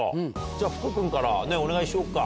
じゃあ福君からお願いしようか。